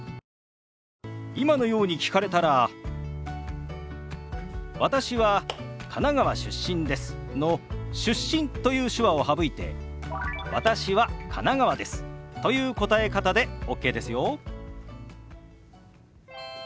今のように聞かれたら「私は神奈川出身です」の「出身」という手話を省いて「私は神奈川です」という答え方でＯＫですよ。